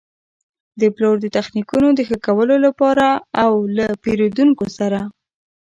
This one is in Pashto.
د پلور د تخنیکونو د ښه کولو لپاره او له پېرېدونکو سره.